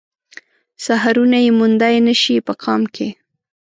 سحرونه يې موندای نه شي په قام کې